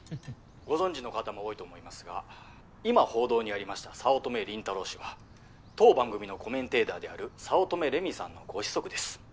ご存じの方も多いと思いますが今報道にありました早乙女倫太郎氏は当番組のコメンテーターである早乙女麗美さんのご子息です。